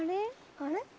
あれ？